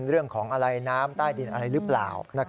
เรื่องของอะไรน้ำใต้ดินอะไรหรือเปล่า